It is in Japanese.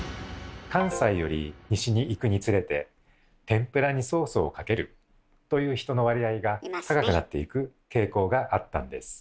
関西より西に行くにつれて「天ぷらにソースをかける」という人の割合が高くなっていく傾向があったんです。